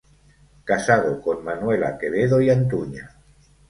Casado con Manuela Quevedo y Antuña.